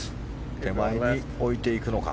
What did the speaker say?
手前に置いていくのか。